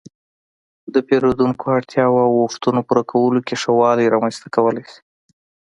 -د پېرېدونکو اړتیاو او غوښتنو پوره کولو کې ښه والی رامنځته کولای شئ